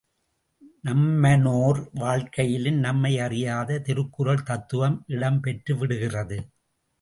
நம்மனோர் வாழ்க்கையிலும் நம்மை அறியாது திருக்குறள் தத்துவம் இடம் பெற்றுவிடுகிறது.